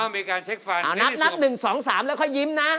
มีการเช็กฟันไม่ได้ส่วนนับ๑๒๓แล้วก็ยิ้มนะ